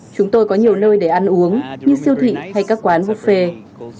chúng tôi có nhiều nơi để ăn uống như siêu thị hay các quán vffe